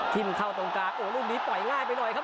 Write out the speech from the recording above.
เข้าตรงกลางโอ้ลูกนี้ปล่อยง่ายไปหน่อยครับ